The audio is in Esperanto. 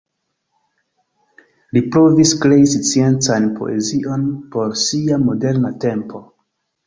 Li provis krei sciencan poezion por sia moderna tempo.